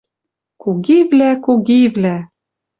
Кугивлӓ, кугивлӓ!